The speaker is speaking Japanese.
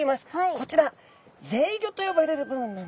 こちらぜいごと呼ばれる部分なんですね